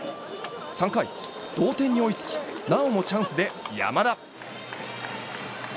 ３回、同点に追いつきなおもチャンスで山田。